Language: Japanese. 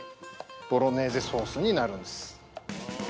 ボロネーゼソースになるんです。